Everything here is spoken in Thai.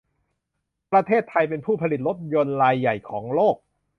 ประเทศไทยเป็นผู้ผลิตรถยนต์รายใหญ่ของโลก